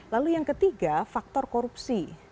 lalu yang ketiga faktor korupsi